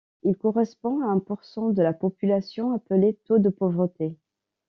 Il correspond à un % de la population appelé taux de pauvreté.